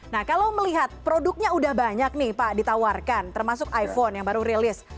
nah kalau melihat produknya sudah banyak nih pak ditawarkan termasuk iphone yang baru rilis